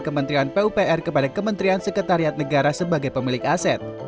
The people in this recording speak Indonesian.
kementerian pupr kepada kementerian sekretariat negara sebagai pemilik aset